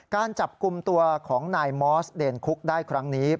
การจับกลุ่มตัวของนายมอสเดนคุกได้ครั้งนี้